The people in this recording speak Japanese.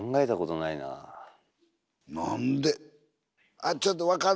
あちょっと分かるで。